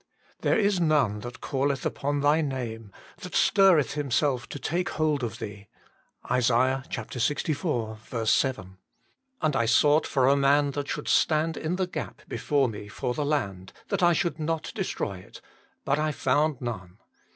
"There is none that calleth upon Thy name, that stirreth himself to take hold of Thee." ISA. Ixiv. 7. " And I sought for a man that should stand in the gap before Me fcr the land, that I should not destroy it ; but / found none."